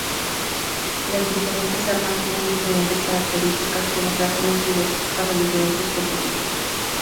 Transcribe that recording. Las diferentes armas tienen diferentes características que las hacen útiles para diferentes propósitos.